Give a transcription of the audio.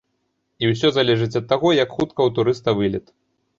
І ўсё залежыць ад таго, як хутка ў турыста вылет.